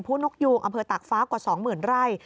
นกยูงอำเภอตากฟ้ากว่า๒๐๐๐ไร่